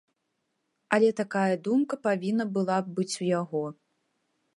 Але такая думка павінна была б быць у яго.